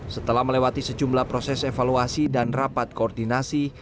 setelah melewati sejumlah proses evaluasi dan rapat koordinasi